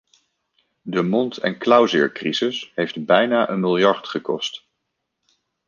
De mond- en klauwzeercrisis heeft bijna een miljard gekost.